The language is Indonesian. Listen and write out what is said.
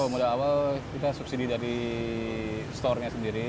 modal awal kita subsidi dari store nya sendiri